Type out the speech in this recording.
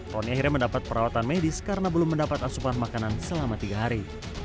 roni akhirnya mendapat perawatan medis karena belum mendapat asupan makanan selama tiga hari